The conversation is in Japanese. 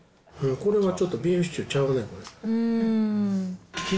これはちょっとビーフシチューちゃうね。